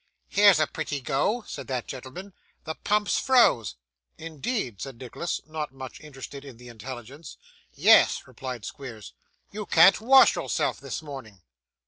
'Here's a pretty go,' said that gentleman; 'the pump's froze.' 'Indeed!' said Nicholas, not much interested in the intelligence. 'Yes,' replied Squeers. 'You can't wash yourself this morning.